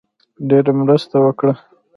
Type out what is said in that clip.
ډېره مرسته وکړه.